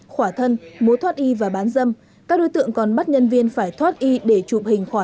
khỏa thân mối thoát y và bán dâm các đối tượng còn bắt nhân viên phải thoát y để chụp hình khoản